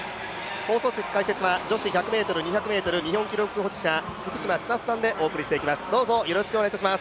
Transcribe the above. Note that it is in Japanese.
放送席解説は女子１００ｍ、２００ｍ日本記録保持者、福島千里さんでお送りしていきます。